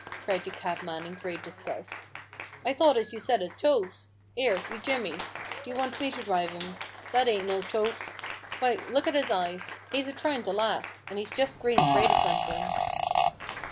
cried the cabman in great disgust. " I thought as you said a toph. 'Ere, you Jimmy ! Do you want me to drive 'im ? That ain't no toph. Why, look at 'is 170 A BOOK OF BARGAINS. eyes ! He's a trying to laugh, and he's just green afraid o' somethin' !